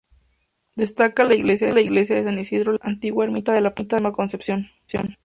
Destaca la iglesia de San Isidro Labrador, antigua ermita de la Purísima Concepción.